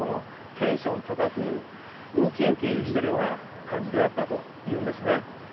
テンション高く、ウキウキしているような感じであったというんですね。